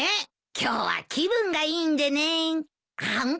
今日は気分がいいんでね。